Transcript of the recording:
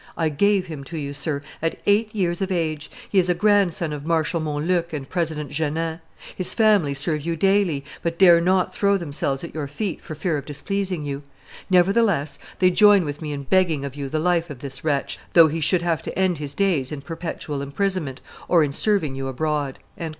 "I gave him to you, sir, at eight years of age; he is a grandson of Marshal Montluc and President Jeannin; his family serve you daily, but dare not throw themselves at your feet for fear of displeasing you; nevertheless, they join with me in begging of you the life of this wretch, though he should have to end his days in perpetual imprisonment, or in serving you abroad."